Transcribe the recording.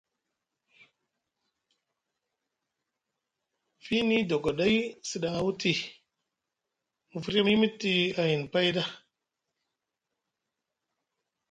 Fiini dogoɗay sɗaŋa wuti mu firya mu yimiti ayni pay ɗa.